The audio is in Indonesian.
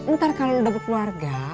ntar kalo lo dapet keluarga